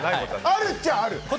あるっちゃある？